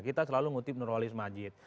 kita selalu ngutip nurwalis majid